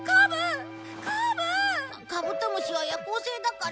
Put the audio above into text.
カブトムシは夜行性だからね。